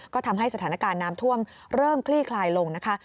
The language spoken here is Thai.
ก็ทำให้สถานการณ์น้ำท่วมเริ่มคลี่คลายลงนะคะ